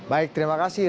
baik terima kasih